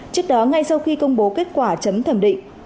trước đó ngay sau khi công bố kết quả chấm thẩm định